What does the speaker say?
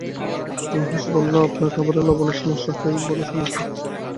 নুহাশ বলল, আপনার খাবারে লবণের সমস্যা হয় বলে শুনেছি।